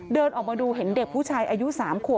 เดินออกมาดูเห็นเด็กผู้ชายอายุ๓ขวบ